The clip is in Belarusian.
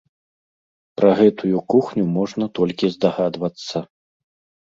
Пра гэтую кухню можна толькі здагадвацца.